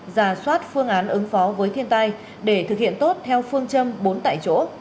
giả soát phương án ứng phó với thiên tai để thực hiện tốt theo phương châm bốn tại chỗ